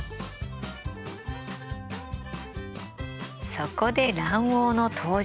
そこで卵黄の登場。